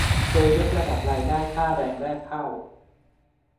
โดยยกระดับรายได้ค่าแรงแรกเข้า